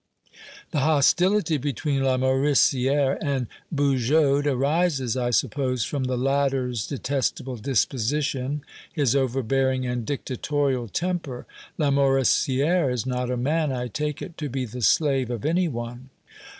"The hostility between Lamoricière and Bugeaud arises, I suppose, from the latter's detestable disposition, his overbearing and dictatorial temper. Lamoricière is not a man, I take it, to be the slave of any one."